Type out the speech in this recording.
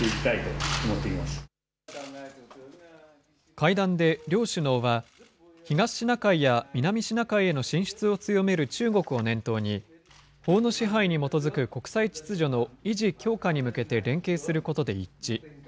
会談で両首脳は、東シナ海や南シナ海への進出を強める中国を念頭に、法の支配に基づく国際秩序の維持・強化に向けて連携することで一致。